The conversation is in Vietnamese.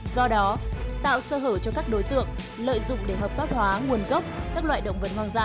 do đó tạo sơ hở cho các đối tượng lợi dụng để hợp pháp hóa nguồn gốc các loại động vật hoang dã